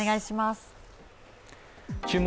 「注目！